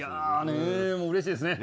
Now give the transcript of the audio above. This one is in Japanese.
うれしいですね。